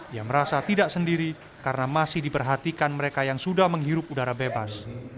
ia merasa tidak sendiri karena masih diperhatikan mereka yang sudah menghirup udara bebas